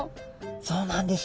そうなんです。